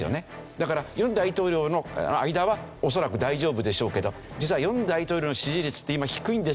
だから尹大統領の間は恐らく大丈夫でしょうけど実は尹大統領の支持率って今低いんですよね。